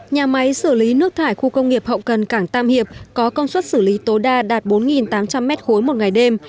nhà máy xử lý nước thải khu công nghiệp hậu cần cảng tam hiệp có công suất xử lý tối đa đạt bốn tám trăm linh m ba một ngày đêm